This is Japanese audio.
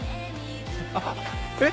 あっえっ！